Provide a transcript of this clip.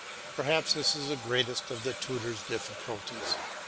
Perhaps this is the greatest of the tutor's difficulties.